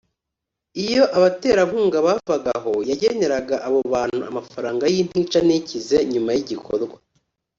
Iyo abaterankunga bavaga aho yageneraga abo bantu amafaranga y’intica n’ikize nyuma y’igikorwa